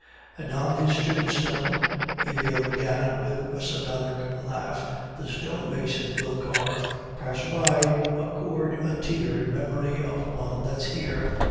"And on his tombstone," Emile began, with a sardonic laugh, "the stonemason will carve 'Passer by, accord a tear, in memory of one that's here!